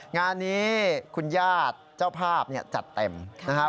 งานนี้คุณญาติเจ้าภาพจัดเต็มนะครับ